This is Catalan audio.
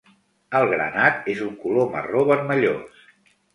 El granat és un color marró vermellós.